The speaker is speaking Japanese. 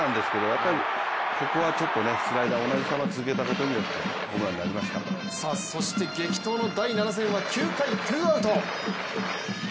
やっぱりここはちょっとスライダー、同じ球を続けたことによってそして激闘の６戦は９回ツーアウト。